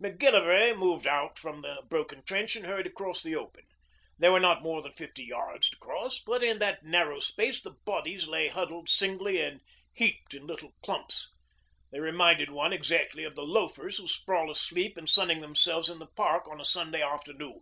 Macgillivray moved out from the broken trench and hurried across the open. There were not more than fifty yards to cross, but in that narrow space the bodies lay huddled singly and heaped in little clumps. They reminded one exactly of the loafers who sprawl asleep and sunning themselves in the Park on a Sunday afternoon.